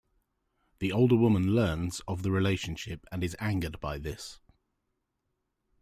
The older woman learns of the relationship and is angered by this.